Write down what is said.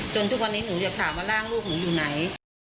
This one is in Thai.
ทุกวันนี้หนูอยากถามว่าร่างลูกหนูอยู่ไหน